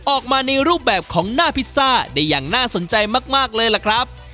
ออกมาในรูปแบบของหน้าพิซซ่าได้อย่างน่าสนใจมากเลยล่ะครับ